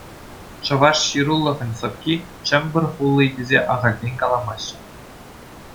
Чӑваш ҫырулӑхӗн сӑпки Чӗмпӗр хули тесе ахальтен каламаҫҫӗ.